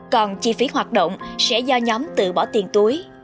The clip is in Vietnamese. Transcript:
còn chi phí hoạt động sẽ do nhóm tự bỏ tiền túi